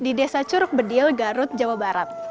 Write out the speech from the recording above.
di desa curug bedil garut jawa barat